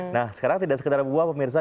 nah sekarang tidak sekedar buah pemirsa